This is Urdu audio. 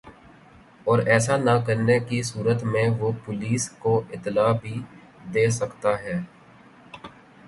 اور ایسا نہ کرنے کی صورت میں وہ پولیس کو اطلاع بھی دے سکتا ہے